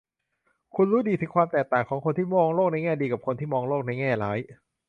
คุณรู้ดีถึงความแตกต่างของคนที่มองโลกในแง่ดีกับคนที่มองโลกในแง่ร้าย